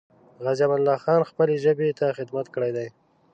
غازي امان الله خان خپلې ژبې ته خدمت کړی دی.